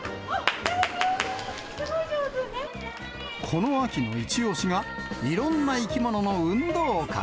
この秋の一押しが、いろんな生き物の運動会。